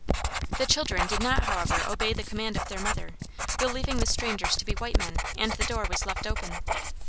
The children did not, however, obey the command of their mother, believing the strangers to be white men, and the door was left open.